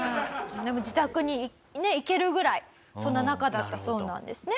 でも自宅に行けるぐらいそんな仲だったそうなんですね。